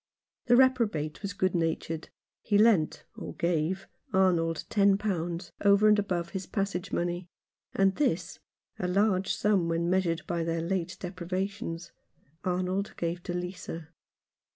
The reprobate was good natured. He lent — or gave — Arnold ten pounds over and above his passage money, and this — a large sum when measured by their late deprivations — Arnold gave to Lisa.